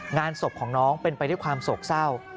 งานศพของน้องเป็นไปด้วยความโศกเศร้า